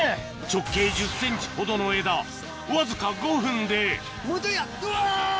直径１０ｃｍほどの枝わずか５分でもうちょいやうお！